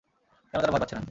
কেন তারা ভয় পাচ্ছে না?